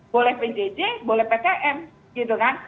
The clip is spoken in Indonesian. boleh pjj boleh ptm gitu kan